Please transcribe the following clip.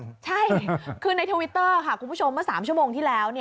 ใช่คือในทวิตเตอร์ค่ะคุณผู้ชมเมื่อ๓ชั่วโมงที่แล้ว